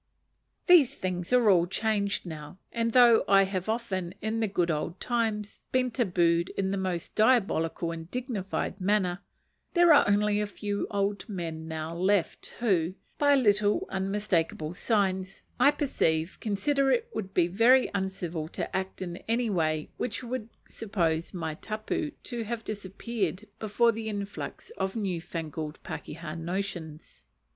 These things are all changed now; and though I have often, in the good old times, been tabooed in the most diabolical and dignified manner, there are only a few old men left now who, by little unmistakable signs, I perceive consider it would be very uncivil to act in any way which would suppose my tapu to have disappeared before the influx of new fangled pakeha notions.